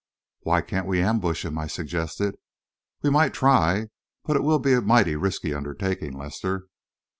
"Why can't we ambush him?" I suggested. "We might try, but it will be a mighty risky undertaking, Lester."